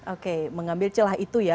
oke mengambil celah itu ya